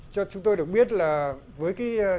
cho chúng tôi được biết là với cái